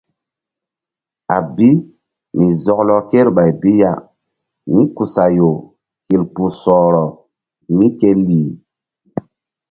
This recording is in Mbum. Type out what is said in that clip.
A bi mi zɔklɔ kreɓay bi ya nikusayo hil kpuh sɔhrɔ mí ke lih.